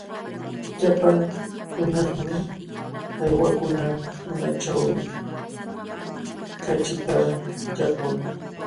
Llapan hunaqmi uywakuna tunachaw kachita llaqwan.